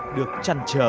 được chăn trở